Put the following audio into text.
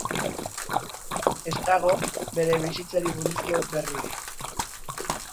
Ez dago bere bizitzari buruzko berririk.